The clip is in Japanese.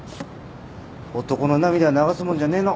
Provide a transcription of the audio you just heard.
男の涙は流すもんじゃねえの。